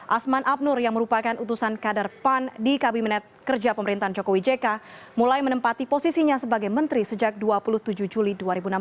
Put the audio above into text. asman abnur yang merupakan utusan kader pan di kabinet kerja pemerintahan jokowi jk mulai menempati posisinya sebagai menteri sejak dua puluh tujuh juli dua ribu enam belas